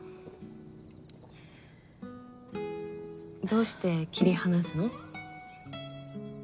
どうして切り離すの？